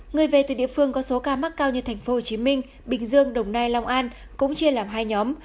người về từ địa phương có số ca mắc cao như tp hcm bình dương đồng nai long an cũng chia làm hai nhóm